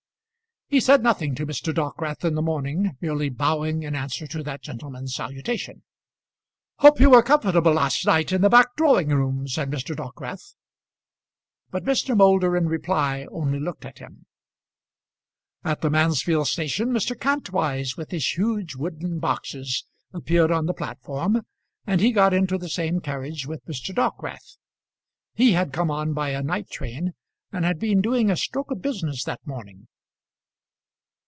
He said nothing to Mr. Dockwrath in the morning, merely bowing in answer to that gentleman's salutation. "Hope you were comfortable last night in the back drawing room," said Mr. Dockwrath; but Mr. Moulder in reply only looked at him. At the Mansfield station, Mr. Kantwise, with his huge wooden boxes, appeared on the platform, and he got into the same carriage with Mr. Dockwrath. He had come on by a night train, and had been doing a stroke of business that morning.